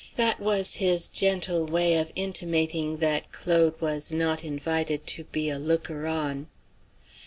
That was his gentle way of intimating that Claude was not invited to be a looker on.